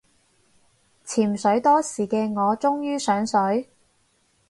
潛水多時嘅我終於上水